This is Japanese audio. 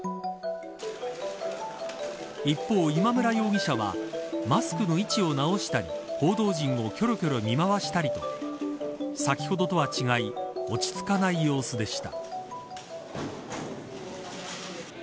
一方、今村容疑者はマスクの位置を直したり報道陣をきょろきょろ見回したりと先ほどとは違い落ち着かない様子でした。